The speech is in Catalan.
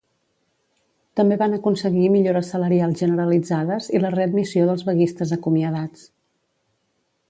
També van aconseguir millores salarials generalitzades i la readmissió dels vaguistes acomiadats.